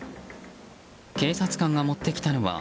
警察官が持ってきたのは。